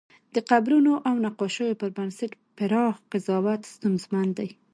د قبرونو او نقاشیو پر بنسټ پراخ قضاوت ستونزمن دی.